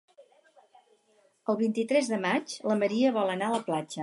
El vint-i-tres de maig en Maria vol anar a la platja.